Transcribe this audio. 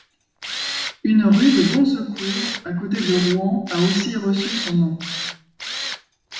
Une rue de Bonsecours, à côté de Rouen, a aussi reçu son nom.